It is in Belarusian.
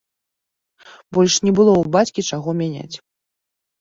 Больш не было ў бацькі чаго мяняць.